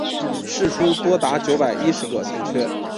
释出多达九百一十个职缺